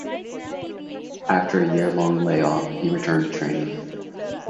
After a year-long layoff, he returned to training.